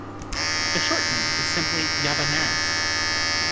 The short name is simply Llavaneres.